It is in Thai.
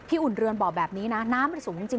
อุ่นเรือนบอกแบบนี้นะน้ำมันสูงจริง